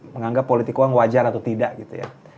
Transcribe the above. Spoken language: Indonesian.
menganggap politik uang wajar atau tidak gitu ya